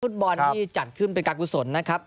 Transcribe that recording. ฟุตบอลที่จัดขึ้นเป็นการกุศลนะครับ